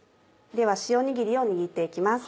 では塩にぎりを握って行きます。